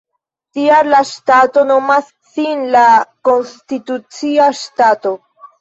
Tial la ŝtato nomas sin "La Konstitucia Ŝtato".